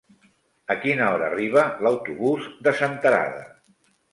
A quina hora arriba l'autobús de Senterada?